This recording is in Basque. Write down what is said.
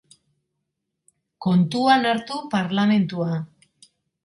Kontuan hartu parlamentua.